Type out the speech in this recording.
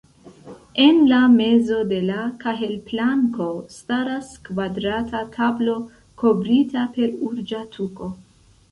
En la mezo de la kahelplanko staras kvadrata tablo kovrita per ruĝa tuko.